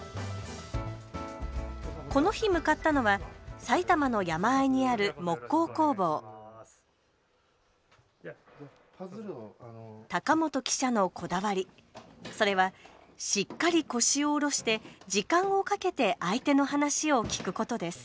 この日向かったのは埼玉の山あいにある木工工房高本記者のこだわりそれはしっかり腰を下ろして時間をかけて相手の話を聞くことです